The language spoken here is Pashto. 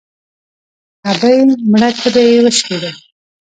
ـ ابۍ مړه تبه يې وشکېده.